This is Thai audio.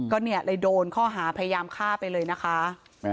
ก็เนี่ยเลยโดนข้อหาพยายามฆ่าไปเลยนะคะ